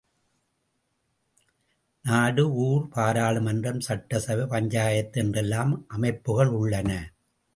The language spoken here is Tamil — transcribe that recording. நாடு, ஊர், பாராளுமன்றம், சட்டசபை, பஞ்சாயத்து என்றெல்லாம் அமைப்புகள் உள்ளன.